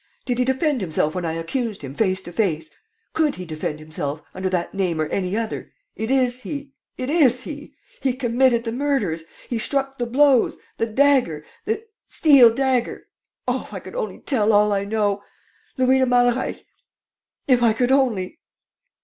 Did he defend himself when I accused him, face to face? Could he defend himself, under that name or any other? It is he ... it is he ... He committed the murders. ... He struck the blows. ... The dagger. ... The steel dagger. ... Oh, if I could only tell all I know! ... Louis de Malreich. ... If I could only